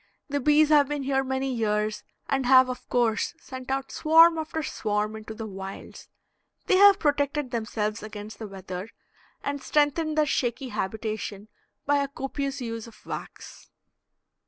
The bees have been here many years, and have of course sent out swarm after swarm into the wilds. They have protected themselves against the weather and strengthened their shaky habitation by a copious use of wax.